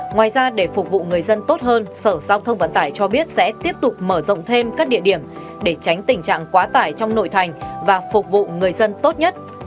ngoài ra để phục vụ người dân tốt hơn sở giao thông vận tải cho biết sẽ tiếp tục mở rộng thêm các địa điểm để tránh tình trạng quá tải trong nội thành và phục vụ người dân tốt nhất